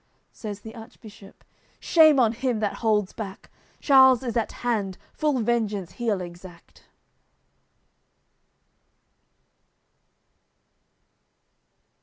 Says the Archbishop: "Shame on him that holds back! Charle is at hand, full vengeance he'll exact."